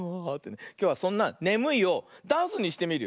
きょうはそんな「ねむい」をダンスにしてみるよ。